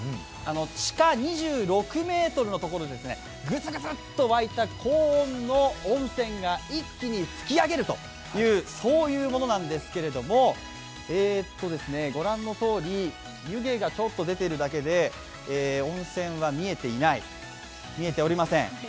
地下２６ｍのところでぐつぐつとわいた温泉が一気に噴き上げるという、そういうものなんですが、ご覧のとおり、湯気がちょと出ているだけで、温泉は見えておりません。